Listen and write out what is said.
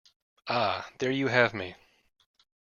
Ah, there you have me.